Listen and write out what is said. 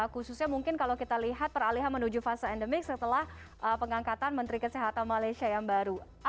khususnya mungkin kalau kita lihat peralihan menuju fase endemik setelah pengangkatan menteri kesehatan malaysia yang baru